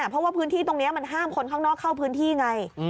เพราะว่าพื้นที่ตรงนี้มันห้ามคนข้างนอกเข้าพื้นที่ไง